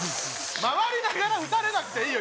回りながら打たれなくていいよ